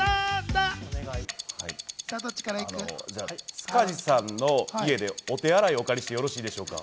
塚地さんの家でお手洗いをお借りしてよろしいでしょうか？